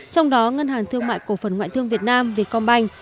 trong đó ngân hàng thương mại cổ phần ngoại thương việt nam việt công banh